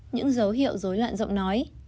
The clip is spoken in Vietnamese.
những dấu hiệu dối loạn giọng nói